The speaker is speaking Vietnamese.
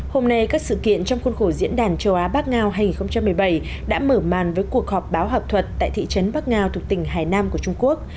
hôm nay các sự kiện trong khuôn khổ diễn đàn châu á bắc ngao hai nghìn một mươi bảy đã mở màn với cuộc họp báo học thuật tại thị trấn bắc ngao thuộc tỉnh hải nam của trung quốc